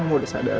kamu udah sadar